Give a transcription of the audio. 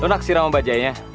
lo naksir sama bajainya